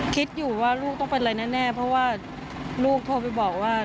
คิดอยู่ว่าลูกต้องเป็นอะไรแน่เพราะว่าลูกโทรไปบอกว่า